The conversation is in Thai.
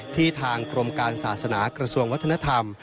ทางกรมการศาสนากระทรวงวัฒนธรรม